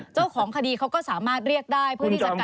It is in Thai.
เจ้าของคดีเขาก็สามารถเรียกได้เพื่อที่จะก